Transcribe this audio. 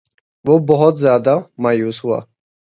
وہ بہت زیادہ مایوس ہوا